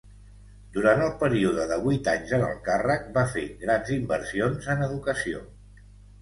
Durant el període de vuit anys en el càrrec, va fer grans inversions en educació.